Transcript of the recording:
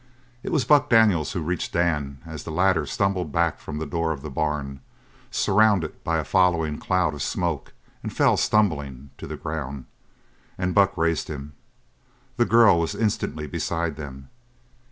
It was Buck Daniels who reached Dan as the latter stumbled back from the door of the barn, surrounded by a following cloud of smoke, and fell stumbling to the ground. And Buck raised him. The girl was instantly beside them.